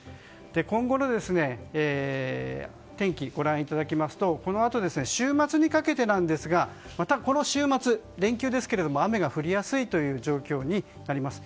今後の天気、ご覧いただきますとこのあと、またこの週末連休ですが雨が降りやすい状況になります。